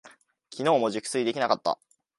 きのうも熟睡できなかった。